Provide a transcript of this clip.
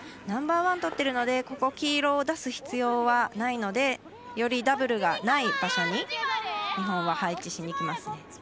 ナンバーワンとってるので黄色を出す必要はないのでよりダブルがない場所に日本は配置しにいきますね。